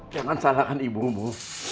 jangan salahkan ibumu